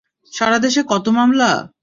সারা দেশে কত মামলা!